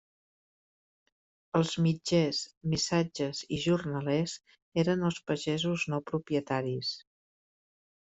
Els mitgers, missatges i jornalers eren els pagesos no propietaris.